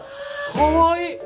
かわいい。